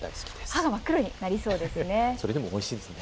歯が真っ黒になりそうですね。